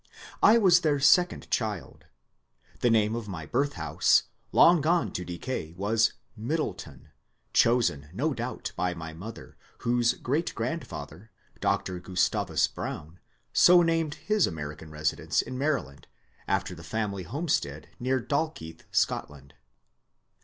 I was their second child. The name of my birth house, long gone to decay, was '' Middle ton,'' chosen no doubt by my mother, whose great grandfather, Dr. Gustavus Brown, so named his American residence in Maryland, after the family homestead near Dalkeith, Scotland.